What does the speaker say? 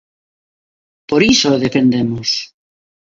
Por iso o defendemos.